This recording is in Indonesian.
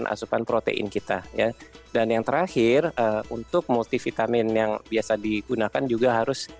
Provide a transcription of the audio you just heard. asupan protein kita ya dan yang terakhir untuk multivitamin yang biasa digunakan juga harus